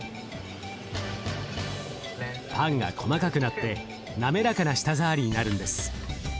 パンが細かくなって滑らかな舌触りになるんです。